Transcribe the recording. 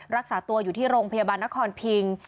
รักษาตัวอยู่ที่โรงพยาบาลนครพิง